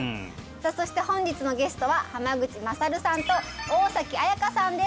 そして本日のゲストは濱口優さんと桜咲彩花さんです